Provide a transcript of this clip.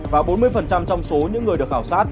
và bốn mươi trong số những người được khảo sát